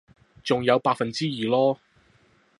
仲有百分之二囉